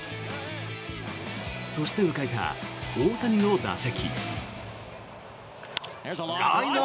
そして迎えた大谷の打席。